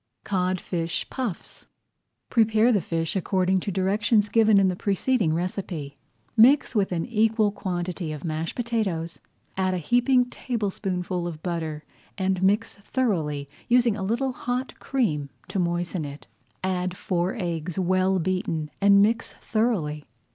CODFISH PUFFS Prepare the fish according to directions given in the preceding recipe. Mix with an equal quantity of mashed potatoes, add a heaping tablespoonful of butter, and mix thoroughly, using a little hot cream to moisten it. Add four eggs well beaten and mix thoroughly.